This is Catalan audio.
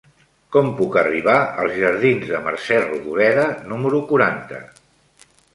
Com puc arribar als jardins de Mercè Rodoreda número quaranta?